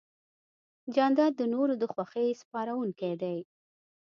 جانداد د نورو د خوښۍ سپارونکی دی.